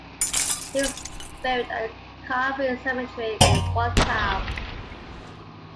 He is buried at Calvary Cemetery in Waltham.